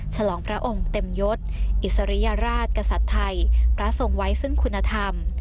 ฉลองพระองค์เต็มยศอิสริยราชกษัตริย์ไทยพระทรงไว้ซึ่งคุณธรรม